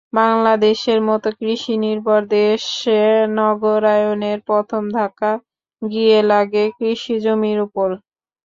বাংলাদেশের মতো কৃষিনির্ভর দেশে নগরায়ণের প্রথম ধাক্কা গিয়ে লাগে কৃষি জমির ওপর।